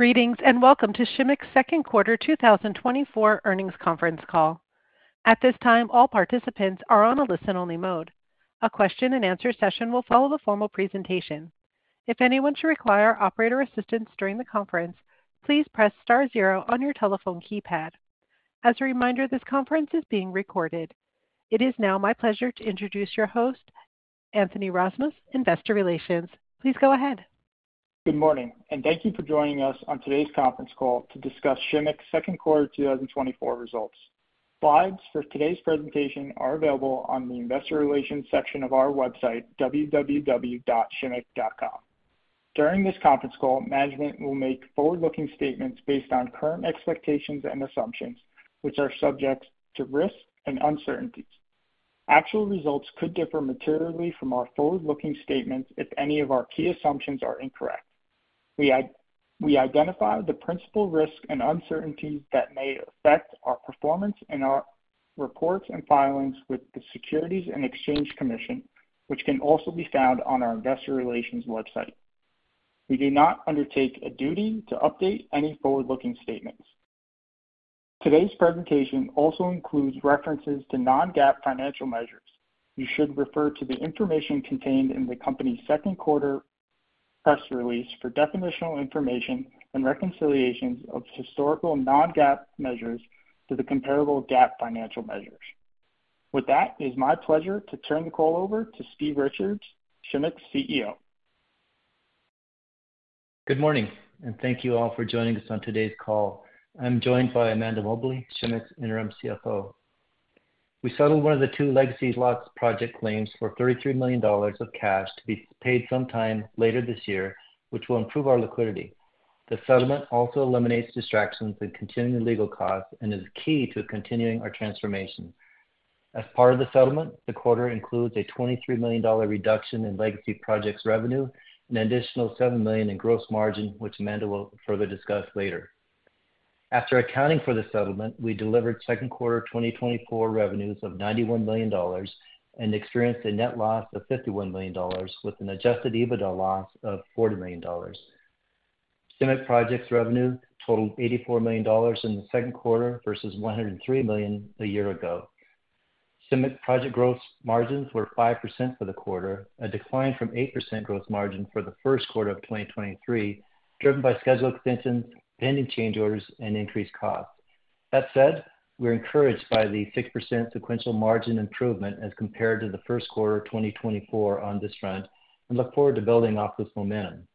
Greetings, and welcome to Shimmick's second quarter 2024 earnings conference call. At this time, all participants are on a listen-only mode. A question-and-answer session will follow the formal presentation. If anyone should require operator assistance during the conference, please press star zero on your telephone keypad. As a reminder, this conference is being recorded. It is now my pleasure to introduce your host, Anthony Rasmus, Investor Relations. Please go ahead. Good morning, and thank you for joining us on today's conference call to discuss Shimmick's second quarter 2024 results. Slides for today's presentation are available on the investor relations section of our website, www.shimmick.com. During this conference call, management will make forward-looking statements based on current expectations and assumptions, which are subject to risks and uncertainties. Actual results could differ materially from our forward-looking statements if any of our key assumptions are incorrect. We identify the principal risks and uncertainties that may affect our performance in our reports and filings with the Securities and Exchange Commission, which can also be found on our investor relations website. We do not undertake a duty to update any forward-looking statements. Today's presentation also includes references to non-GAAP financial measures. You should refer to the information contained in the company's second quarter press release for definitional information and reconciliations of historical non-GAAP measures to the comparable GAAP financial measures. With that, it is my pleasure to turn the call over to Steve Richards, Shimmick's CEO. Good morning, and thank you all for joining us on today's call. I'm joined by Amanda Mobley, Shimmick's Interim CFO. We settled one of the two legacy lock project claims for $33 million of cash to be paid sometime later this year, which will improve our liquidity. The settlement also eliminates distractions and continuing legal costs and is key to continuing our transformation. As part of the settlement, the quarter includes a $23 million reduction in legacy projects revenue, an additional $7 million in gross margin, which Amanda will further discuss later. After accounting for the settlement, we delivered second quarter 2024 revenues of $91 million and experienced a net loss of $51 million, with an adjusted EBITDA loss of $40 million. Shimmick projects revenue totaled $84 million in the second quarter versus $103 million a year ago. Shimmick project gross margins were 5% for the quarter, a decline from 8% gross margin for the first quarter of 2023, driven by schedule extensions, pending change orders, and increased costs. That said, we're encouraged by the 6% sequential margin improvement as compared to the first quarter of 2024 on this front and look forward to building off this momentum.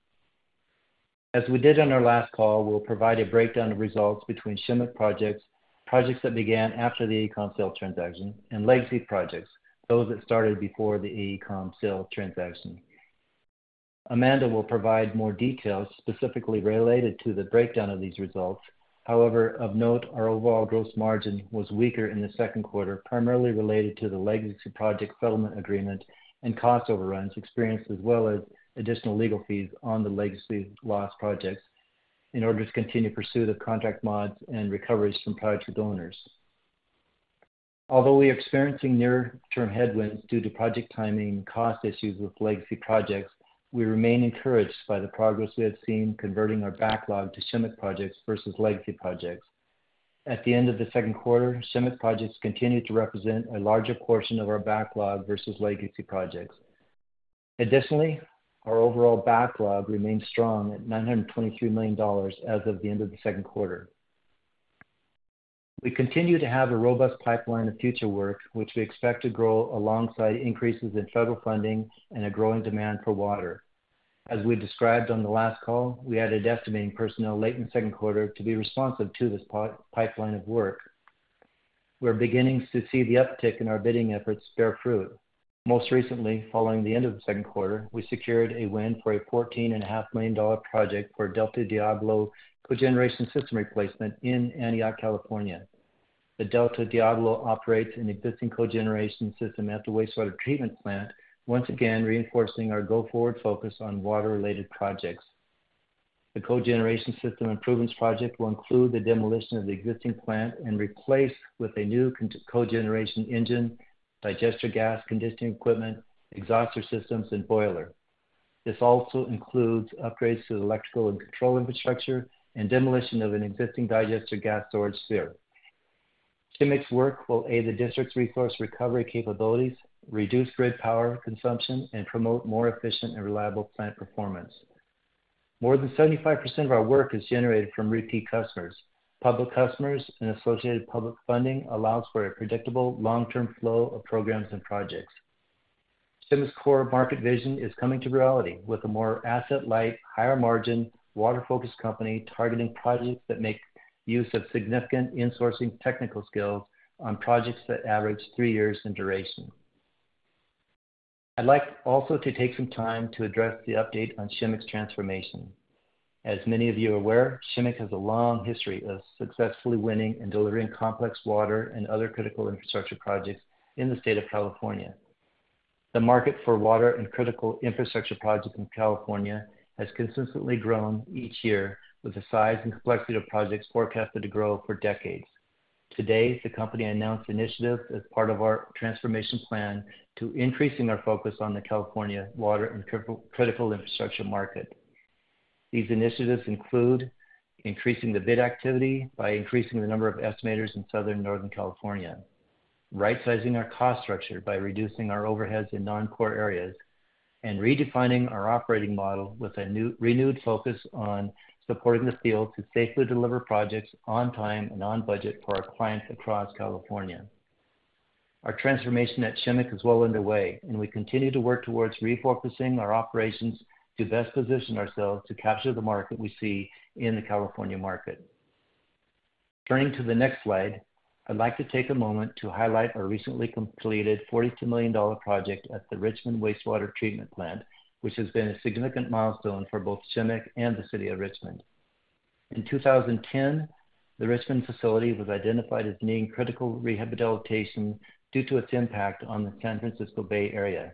As we did on our last call, we'll provide a breakdown of results between Shimmick projects, projects that began after the AECOM sale transaction, and legacy projects, those that started before the AECOM sale transaction. Amanda will provide more details specifically related to the breakdown of these results. However, of note, our overall gross margin was weaker in the second quarter, primarily related to the legacy project settlement agreement and cost overruns experienced, as well as additional legal fees on the legacy loss projects in order to continue pursuit of contract mods and recoveries from project owners. Although we are experiencing near-term headwinds due to project timing and cost issues with legacy projects, we remain encouraged by the progress we have seen converting our backlog to Shimmick projects versus legacy projects. At the end of the second quarter, Shimmick projects continued to represent a larger portion of our backlog versus legacy projects. Additionally, our overall backlog remains strong at $923 million as of the end of the second quarter. We continue to have a robust pipeline of future work, which we expect to grow alongside increases in federal funding and a growing demand for water. As we described on the last call, we added estimating personnel late in the second quarter to be responsive to this pipeline of work. We're beginning to see the uptick in our bidding efforts bear fruit. Most recently, following the end of the second quarter, we secured a win for a $14.5 million project for Delta Diablo Cogeneration System replacement in Antioch, California. The Delta Diablo operates an existing cogeneration system at the wastewater treatment plant, once again, reinforcing our go-forward focus on water-related projects. The cogeneration system improvements project will include the demolition of the existing plant and replaced with a new cogeneration engine, digester gas conditioning equipment, exhauster systems, and boiler. This also includes upgrades to the electrical and control infrastructure and demolition of an existing digester gas storage sphere. Shimmick's work will aid the district's resource recovery capabilities, reduce grid power consumption, and promote more efficient and reliable plant performance. More than 75% of our work is generated from repeat customers. Public customers and associated public funding allows for a predictable, long-term flow of programs and projects. Shimmick's core market vision is coming to reality with a more asset-light, higher margin, water-focused company, targeting projects that make use of significant insourcing technical skills on projects that average three years in duration. I'd like also to take some time to address the update on Shimmick's transformation. As many of you are aware, Shimmick has a long history of successfully winning and delivering complex water and other critical infrastructure projects in the state of California. The market for water and critical infrastructure projects in California has consistently grown each year, with the size and complexity of projects forecasted to grow for decades. Today, the company announced initiatives as part of our transformation plan to increasing our focus on the California water and critical infrastructure market. These initiatives include increasing the bid activity by increasing the number of estimators in Southern and Northern California, rightsizing our cost structure by reducing our overheads in non-core areas, and redefining our operating model with a renewed focus on supporting the field to safely deliver projects on time and on budget for our clients across California. Our transformation at Shimmick is well underway, and we continue to work towards repurposing our operations to best position ourselves to capture the market we see in the California market. Turning to the next slide, I'd like to take a moment to highlight our recently completed $42 million project at the Richmond Wastewater Treatment Plant, which has been a significant milestone for both Shimmick and the City of Richmond. In 2010, the Richmond facility was identified as needing critical rehabilitation due to its impact on the San Francisco Bay Area.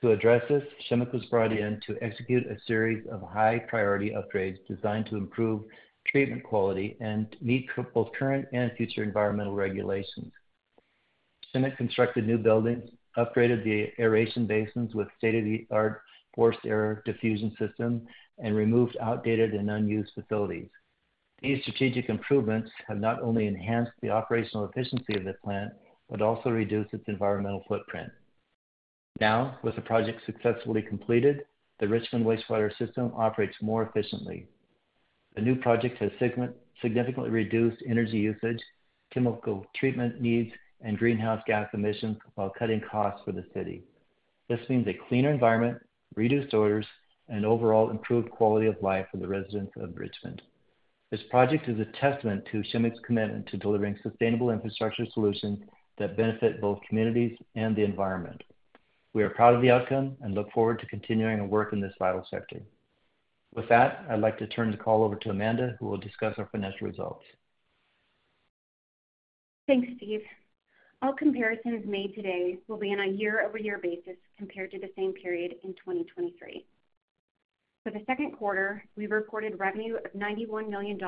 To address this, Shimmick was brought in to execute a series of high-priority upgrades designed to improve treatment quality and meet both current and future environmental regulations. Shimmick constructed new buildings, upgraded the aeration basins with state-of-the-art forced air diffusion systems, and removed outdated and unused facilities. These strategic improvements have not only enhanced the operational efficiency of the plant, but also reduced its environmental footprint. Now, with the project successfully completed, the Richmond Wastewater System operates more efficiently. The new project has significantly reduced energy usage, chemical treatment needs, and greenhouse gas emissions, while cutting costs for the city. This means a cleaner environment, reduced odors, and overall improved quality of life for the residents of Richmond. This project is a testament to Shimmick's commitment to delivering sustainable infrastructure solutions that benefit both communities and the environment. We are proud of the outcome and look forward to continuing our work in this vital sector. With that, I'd like to turn the call over to Amanda, who will discuss our financial results. Thanks, Steve. All comparisons made today will be on a year-over-year basis compared to the same period in 2023. For the second quarter, we recorded revenue of $91 million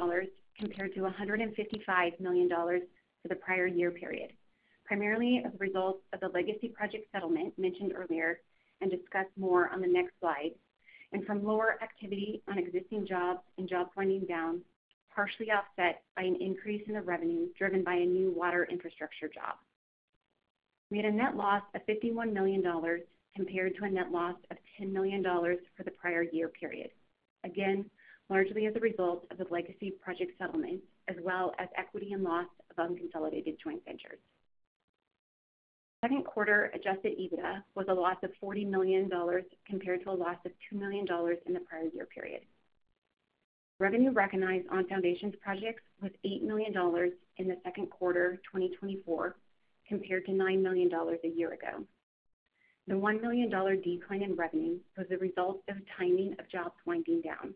compared to $155 million for the prior year period, primarily as a result of the legacy project settlement mentioned earlier and discussed more on the next slide, and from lower activity on existing jobs and jobs winding down, partially offset by an increase in the revenue driven by a new water infrastructure job. We had a net loss of $51 million compared to a net loss of $10 million for the prior year period. Again, largely as a result of the legacy project settlement, as well as equity and loss of unconsolidated joint ventures. Second quarter Adjusted EBITDA was a loss of $40 million, compared to a loss of $2 million in the prior year period. Revenue recognized on foundations projects was $8 million in the second quarter of 2024, compared to $9 million a year ago. The $1 million decline in revenue was a result of timing of jobs winding down.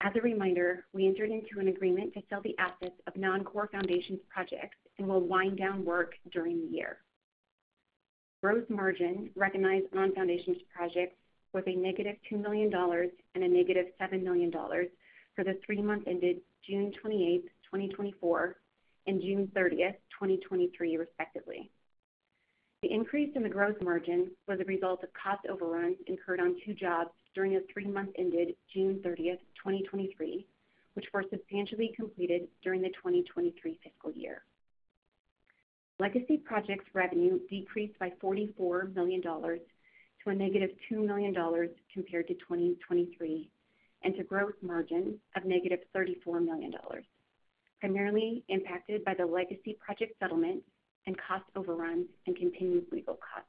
As a reminder, we entered into an agreement to sell the assets of non-core foundations projects and will wind down work during the year. Gross margin recognized on foundations projects was a negative $2 million and a negative $7 million for the three months ended June 28, 2024, and June 30, 2023, respectively. The increase in the gross margin was a result of cost overruns incurred on two jobs during the three months ended June 30, 2023, which were substantially completed during the 2023 fiscal year. Legacy projects revenue decreased by $44 million to a negative $2 million compared to 2023, and to gross margin of negative $34 million, primarily impacted by the legacy project settlement and cost overruns and continued legal costs.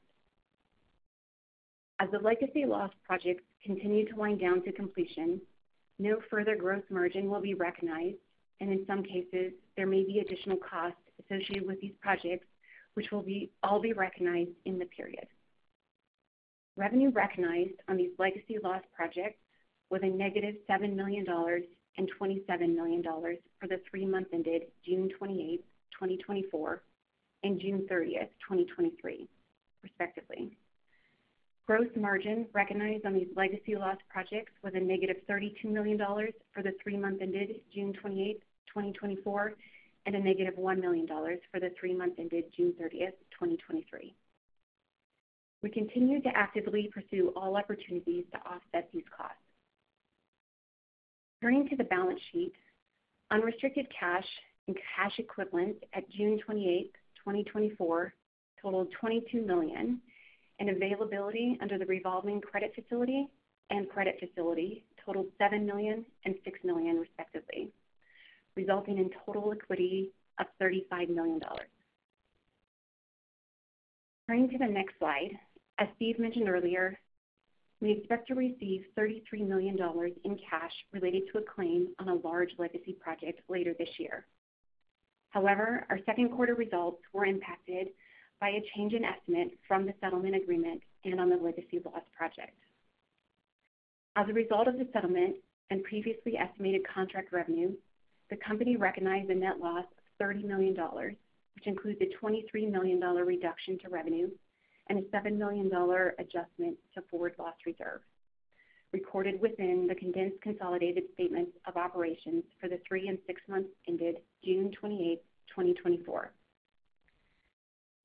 As the legacy loss projects continue to wind down to completion, no further gross margin will be recognized, and in some cases, there may be additional costs associated with these projects, which will all be recognized in the period. Revenue recognized on these legacy loss projects was a negative $7 million and $27 million for the three months ended June 28, 2024, and June 30, 2023, respectively. Gross margin recognized on these legacy loss projects was a negative $32 million for the three months ended June 28, 2024, and a negative $1 million for the three months ended June 30, 2023. We continue to actively pursue all opportunities to offset these costs. Turning to the balance sheet, unrestricted cash and cash equivalents at June twenty-eight, 2024, totaled $22 million, and availability under the revolving credit facility and credit facility totaled $7 million and $6 million, respectively, resulting in total equity of $35 million. Turning to the next slide, as Steve mentioned earlier, we expect to receive $33 million in cash related to a claim on a large legacy project later this year. However, our second quarter results were impacted by a change in estimate from the settlement agreement and on the legacy loss project. As a result of the settlement and previously estimated contract revenue, the company recognized a net loss of $30 million, which includes a $23 million reduction to revenue and a $7 million adjustment to forward loss reserve, recorded within the condensed consolidated statements of operations for the three and six months ended June 28, 2024.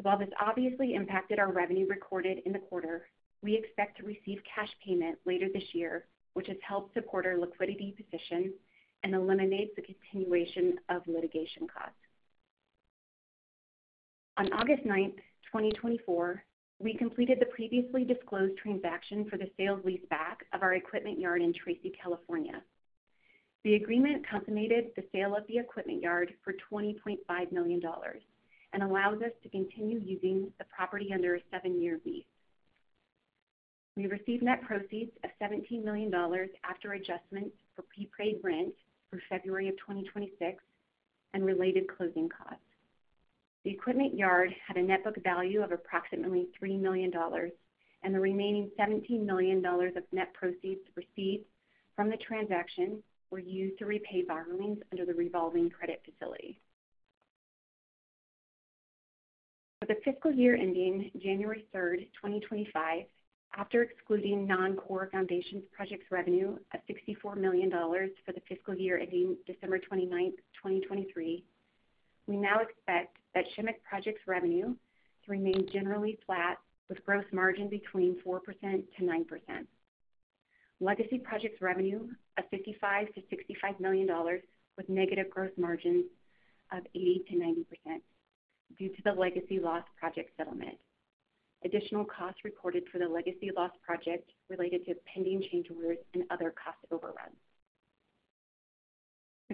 While this obviously impacted our revenue recorded in the quarter, we expect to receive cash payment later this year, which has helped support our liquidity position and eliminates the continuation of litigation costs. On August ninth, 2024, we completed the previously disclosed transaction for the sale-leaseback of our equipment yard in Tracy, California. The agreement contemplated the sale of the equipment yard for $20.5 million and allows us to continue using the property under a seven-year lease. We received net proceeds of $17 million after adjustments for prepaid rent through February of 2026 and related closing costs. The equipment yard had a net book value of approximately $3 million, and the remaining $17 million of net proceeds received from the transaction were used to repay borrowings under the revolving credit facility. For the fiscal year ending January third, 2025, after excluding non-core Foundations Projects revenue of $64 million for the fiscal year ending December 29, 2023, we now expect that Shimmick projects revenue to remain generally flat, with gross margin between 4% to 9%. Legacy Projects revenue of $55-$65 million, with negative growth margins of 80%-90%, due to the legacy loss project settlement. Additional costs reported for the legacy goss project related to pending change orders and other cost overruns.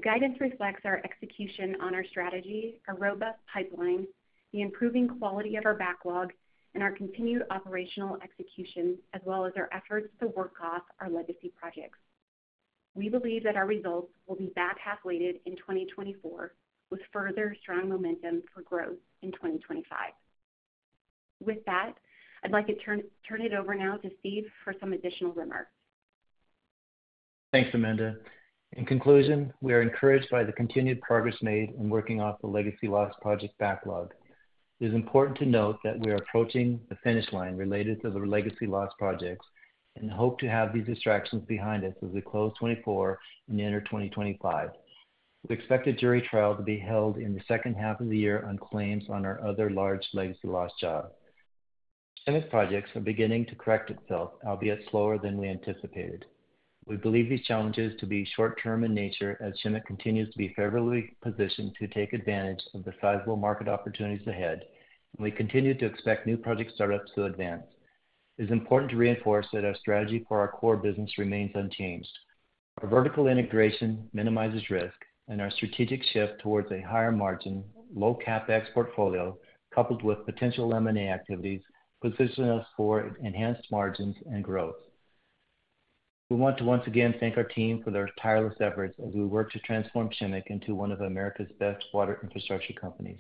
The guidance reflects our execution on our strategy, a robust pipeline, the improving quality of our backlog, and our continued operational execution, as well as our efforts to work off our legacy projects. We believe that our results will be back-half weighted in 2024, with further strong momentum for growth in 2025. With that, I'd like to turn it over now to Steve for some additional remarks. Thanks, Amanda. In conclusion, we are encouraged by the continued progress made in working off the legacy loss project backlog. It is important to note that we are approaching the finish line related to the legacy loss projects and hope to have these distractions behind us as we close 2024 and enter 2025. We expect a jury trial to be held in the second half of the year on claims on our other large legacy loss job. Shimmick projects are beginning to correct itself, albeit slower than we anticipated. We believe these challenges to be short term in nature, as Shimmick continues to be favorably positioned to take advantage of the sizable market opportunities ahead, and we continue to expect new project startups to advance. It's important to reinforce that our strategy for our core business remains unchanged. Our vertical integration minimizes risk, and our strategic shift towards a higher margin, low CapEx portfolio, coupled with potential M&A activities, positions us for enhanced margins and growth. We want to once again thank our team for their tireless efforts as we work to transform Shimmick into one of America's best water infrastructure companies.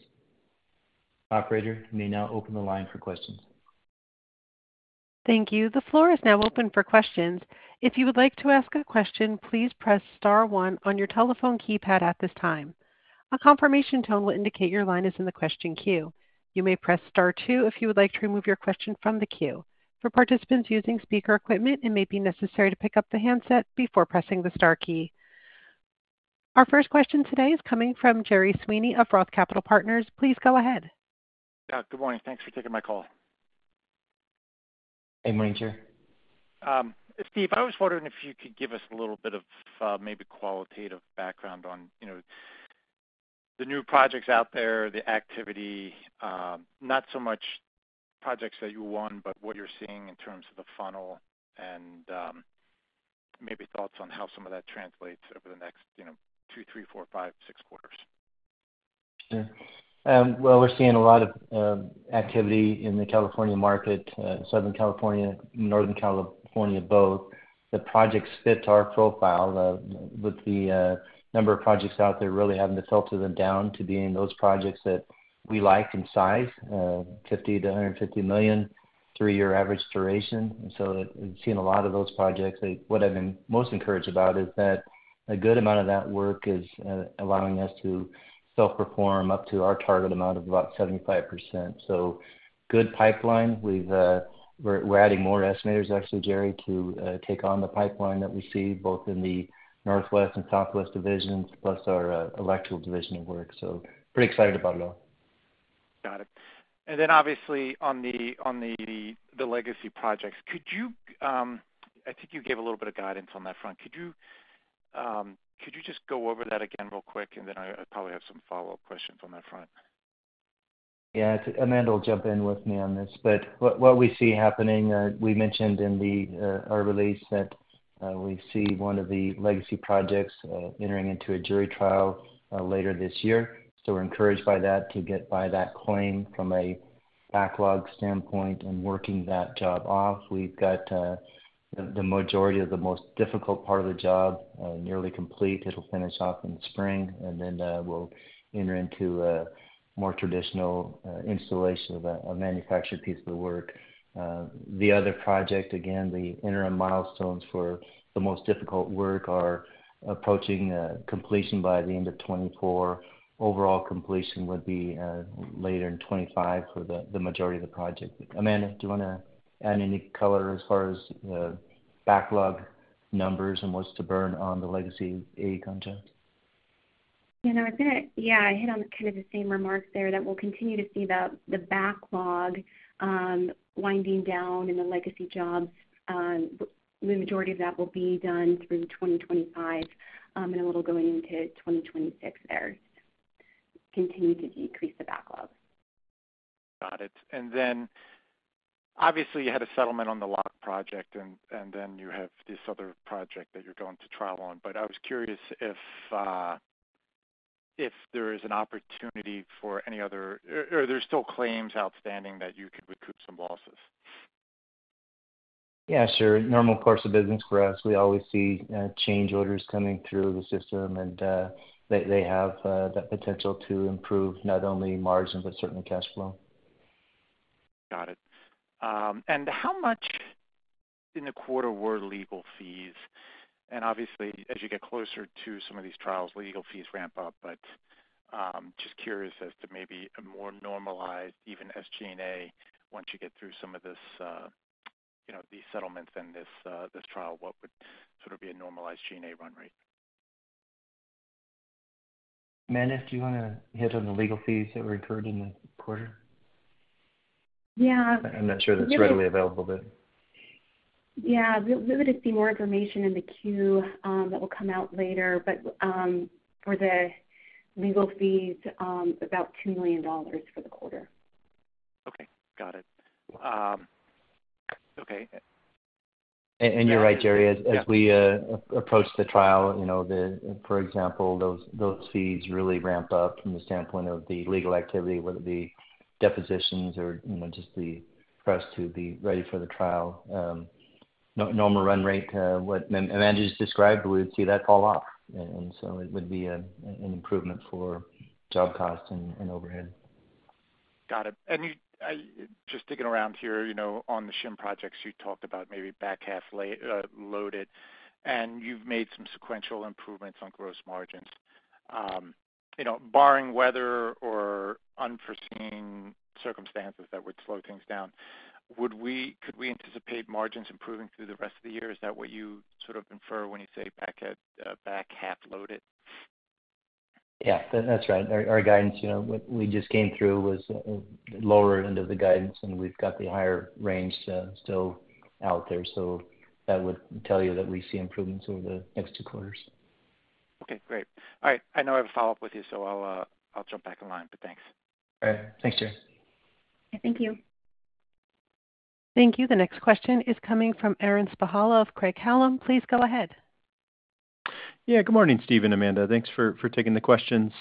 Operator, you may now open the line for questions. Thank you. The floor is now open for questions. If you would like to ask a question, please press star one on your telephone keypad at this time. A confirmation tone will indicate your line is in the question queue. You may press star two if you would like to remove your question from the queue. For participants using speaker equipment, it may be necessary to pick up the handset before pressing the star key. Our first question today is coming from Gerry Sweeney of Roth Capital Partners. Please go ahead. Yeah, good morning. Thanks for taking my call. Hey, morning, Gerry. Steve, I was wondering if you could give us a little bit of maybe qualitative background on, you know, the new projects out there, the activity, not so much projects that you won, but what you're seeing in terms of the funnel and maybe thoughts on how some of that translates over the next, you know, two, three, four, five, six quarters. Sure. We're seeing a lot of activity in the California market, Southern California, Northern California, both. The projects fit our profile. With the number of projects out there, really having to filter them down to being those projects that we like in size, $50-$150 million, three-year average duration. And so we've seen a lot of those projects. What I've been most encouraged about is that a good amount of that work is allowing us to self-perform up to our target amount of about 75%. So good pipeline. We're adding more estimators, actually, Gerry, to take on the pipeline that we see both in the Northwest and Southwest divisions, plus our electrical division of work. So pretty excited about it all. Got it. And then obviously on the legacy projects, could you, I think you gave a little bit of guidance on that front. Could you just go over that again real quick, and then I probably have some follow-up questions on that front. Yeah. Amanda will jump in with me on this, but what we see happening, we mentioned in our release that we see one of the legacy projects entering into a jury trial later this year. So we're encouraged by that to get by that claim from a backlog standpoint and working that job off. We've got the majority of the most difficult part of the job nearly complete. It'll finish off in the spring, and then we'll enter into a more traditional installation of a manufactured piece of the work. The other project, again, the interim milestones for the most difficult work are approaching completion by the end of 2024. Overall completion would be later in 2025 for the majority of the project. Amanda, do you wanna add any color as far as the backlog numbers and what's to burn on the Legacy -a contract?... You know, I was gonna, yeah, I hit on kind of the same remarks there, that we'll continue to see the backlog winding down and the legacy jobs, the majority of that will be done through 2025, and a little going into2026 there, continue to decrease the backlog. Got it. And then, obviously, you had a settlement on the lock project, and then you have this other project that you're going to trial on. But I was curious if there is an opportunity for any other or are there still claims outstanding that you could recoup some losses? Yeah, sure. Normal course of business for us, we always see change orders coming through the system, and they have the potential to improve not only margins, but certainly cash flow. Got it. And how much in the quarter were legal fees? And obviously, as you get closer to some of these trials, legal fees ramp up, but, just curious as to maybe a more normalized, even as G&A, once you get through some of this, you know, these settlements and this trial, what would sort of be a normalized G&A run rate? Amanda, do you want to hit on the legal fees that were incurred in the quarter? Yeah. I'm not sure that's readily available, but- Yeah, we would just see more information in the queue, that will come out later, but for the legal fees, about $2 million for the quarter. Okay. Got it. Okay. And you're right, Gerry. As we approach the trial, you know, for example, those fees really ramp up from the standpoint of the legal activity, whether it be depositions or, you know, just the pressure to be ready for the trial. Normal run rate, what Amanda just described, we would see that fall off, and so it would be an improvement for job costs and overhead. Got it. And you just digging around here, you know, on the Shimmick projects, you talked about maybe back half loaded, and you've made some sequential improvements on gross margins. You know, barring weather or unforeseen circumstances that would slow things down, could we anticipate margins improving through the rest of the year? Is that what you sort of infer when you say back half loaded? Yeah, that's right. Our guidance, you know, what we just came through was the lower end of the guidance, and we've got the higher range still out there. So that would tell you that we see improvements over the next two quarters. Okay, great. All right. I know I have a follow-up with you, so I'll jump back in line, but thanks. All right. Thanks, Gerry. Thank you. Thank you. The next question is coming from Aaron Spychalla of Craig-Hallum. Please go ahead. Yeah. Good morning, Steve and Amanda. Thanks for taking the questions.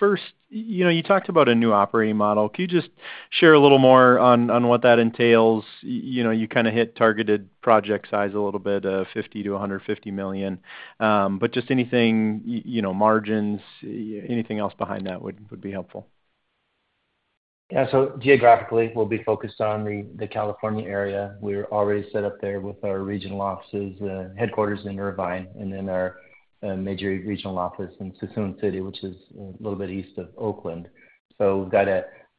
First, you know, you talked about a new operating model. Can you just share a little more on what that entails? You know, you kinda hit targeted project size a little bit, $50 million-$150 million. But just anything, you know, margins, anything else behind that would be helpful. Yeah. So geographically, we'll be focused on the California area. We're already set up there with our regional offices, headquarters in Irvine, and then our major regional office in Suisun City, which is a little bit east of Oakland. So we've got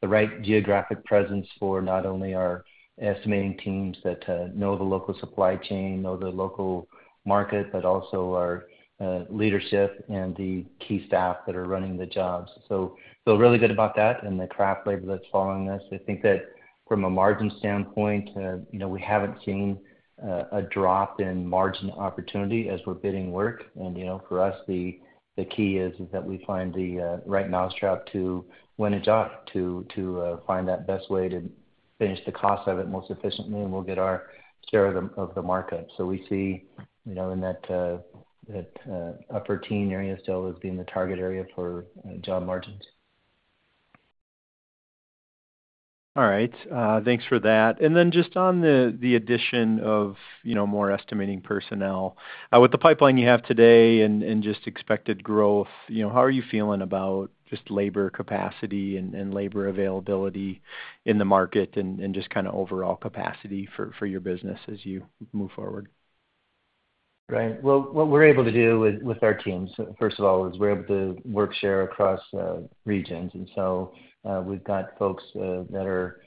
the right geographic presence for not only our estimating teams that know the local supply chain, know the local market, but also our leadership and the key staff that are running the jobs. So, feel really good about that and the craft labor that's following us. I think that from a margin standpoint, you know, we haven't seen a drop in margin opportunity as we're bidding work. You know, for us, the key is that we find the right mousetrap to win a job, to find that best way to finish the cost of it most efficiently, and we'll get our share of the market, so we see you know, in that upper teen area still as being the target area for job margins. All right, thanks for that. And then just on the addition of, you know, more estimating personnel, with the pipeline you have today and just expected growth, you know, how are you feeling about just labor capacity and labor availability in the market and just kinda overall capacity for your business as you move forward? Right. Well, what we're able to do with, with our teams, first of all, is we're able to work share across, regions. And so, we've got folks, that are,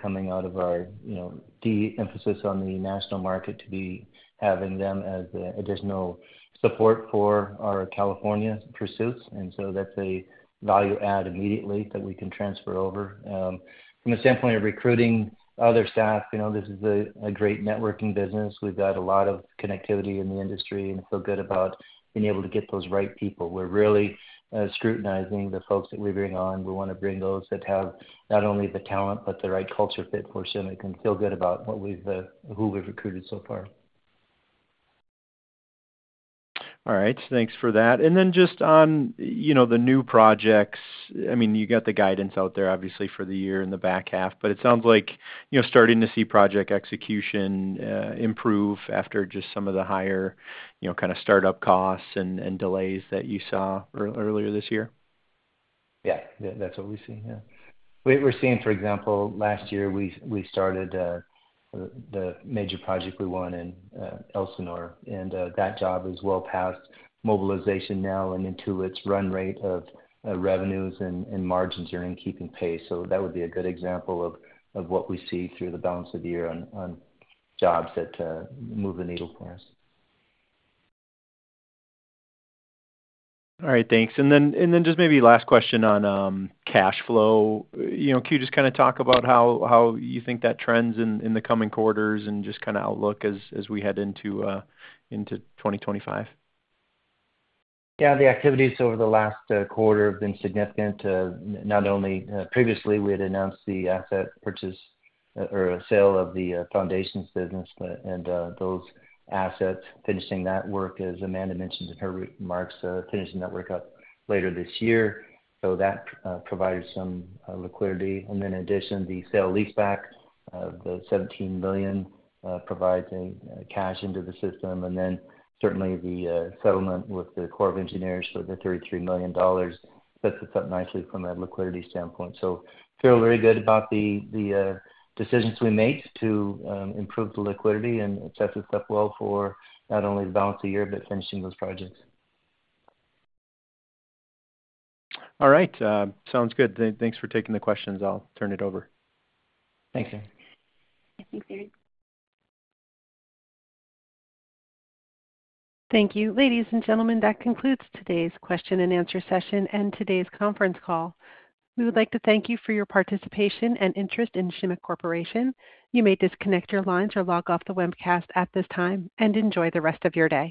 coming out of our, you know, de-emphasis on the national market to be having them as the additional support for our California pursuits, and so that's a value add immediately that we can transfer over. From a standpoint of recruiting other staff, you know, this is a great networking business. We've got a lot of connectivity in the industry and feel good about being able to get those right people. We're really, scrutinizing the folks that we bring on. We wanna bring those that have not only the talent but the right culture fit for Shimmick, and feel good about what we've, who we've recruited so far. All right, thanks for that. And then just on, you know, the new projects. I mean, you got the guidance out there, obviously, for the year and the back half, but it sounds like, you know, starting to see project execution improve after just some of the higher, you know, kind of start-up costs and delays that you saw earlier this year. Yeah, that's what we're seeing. Yeah. We're seeing, for example, last year, we started the major project we won in Elsinore, and that job is well past mobilization now and into its run rate of revenues and margins are in keeping pace. So that would be a good example of what we see through the balance of the year on jobs that move the needle for us. All right, thanks. And then just maybe last question on cash flow. You know, can you just kinda talk about how you think that trends in the coming quarters and just kinda outlook as we head into twenty twenty-five? Yeah, the activities over the last quarter have been significant, not only previously we had announced the asset purchase or sale of the foundations business, but and those assets finishing that work as Amanda mentioned in her remarks finishing that work up later this year. So that provides some liquidity. And then in addition, the sale-leaseback of the 17 billion provides a cash into the system. And then certainly the settlement with the Corps of Engineers for the $33 million sets us up nicely from a liquidity standpoint. So feel very good about the decisions we made to improve the liquidity and sets us up well for not only the balance of the year, but finishing those projects. All right, sounds good. Thanks for taking the questions. I'll turn it over. Thanks, Aaron. Thank you, Aaron. Thank you. Ladies and gentlemen, that concludes today's question and answer session and today's conference call. We would like to thank you for your participation and interest in Shimmick Corporation. You may disconnect your lines or log off the webcast at this time, and enjoy the rest of your day.